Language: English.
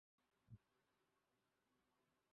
Todd is the symbol of humanist, irreligious power.